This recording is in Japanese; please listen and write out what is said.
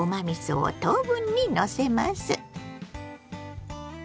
みそを等分にのせます。